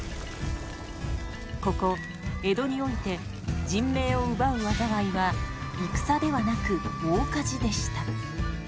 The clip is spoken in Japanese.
ここ江戸において人命を奪う災いは戦ではなく大火事でした。